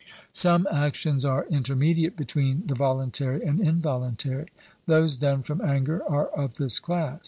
Some actions are intermediate between the voluntary and involuntary. Those done from anger are of this class.